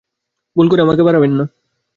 ভুল করে আমাকে বাড়াবেন না।